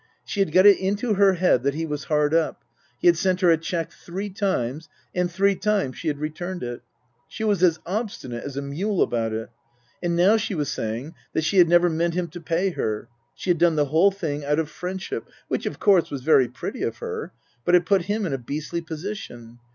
She had got it into her head that he was hard up. He had sent her a cheque three times, and three times she had returned it. She was as obstinate as a mule about it. And now she was saying that she had never meant him to pay her ; she had done the whole thing out of friendship, which, of course, was very pretty of her, but it put him in a beastly position.